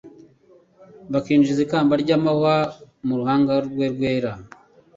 bakinjiza ikamba ry'amahwa mu ruhanga rwe rwera,